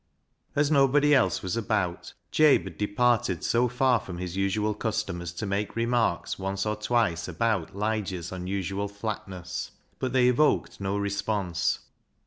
As nobody else was about, Jabe had departed so far from his usual custom as to make remarks once or twice about Lige's unusual flatness, but they evoked no response.